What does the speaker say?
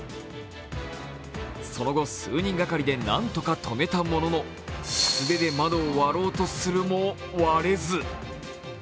その後、数人がかりでなんとか止めたものの、素手で窓を割ろうとするも、割れず。